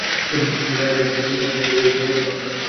কুমিল্লা এলাকায় জমির দাম বেড়ে যাওয়ায় জমি অধিগ্রহণ করা সম্ভব হয়নি।